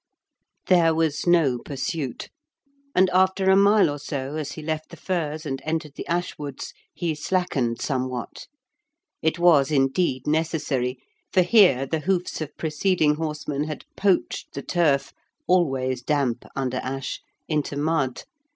There was no pursuit, and after a mile or so, as he left the firs and entered the ash woods, he slackened somewhat. It was, indeed, necessary, for here the hoofs of preceding horsemen had poached the turf (always damp under ash) into mud.